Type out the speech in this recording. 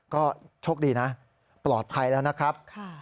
ก็โชคดีนะปลอดภัยแล้วนะครับ